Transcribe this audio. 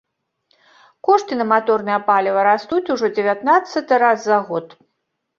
Кошты на маторнае паліва растуць ужо ў дзевятнаццаты раз за год.